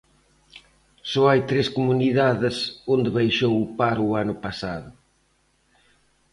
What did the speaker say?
Só hai tres comunidades onde baixou o paro o ano pasado.